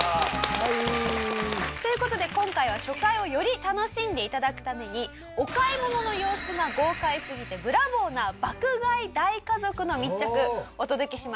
はい！という事で今回は初回をより楽しんで頂くためにお買い物の様子が豪快すぎてブラボーな爆買い大家族の密着お届けします。